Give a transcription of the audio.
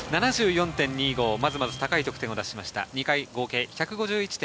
まずまず、高い得点を出しました。